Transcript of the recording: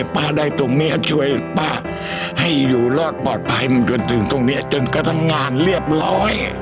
ป้าได้ตรงนี้ช่วยป้าให้อยู่รอดปลอดภัยมาจนถึงตรงนี้จนกระทั่งงานเรียบร้อย